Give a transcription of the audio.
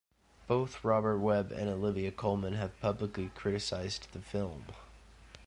Both Robert Webb and Olivia Colman have publicly criticised the film.